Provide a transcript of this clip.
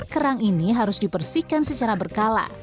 kerang ini harus dibersihkan secara berkala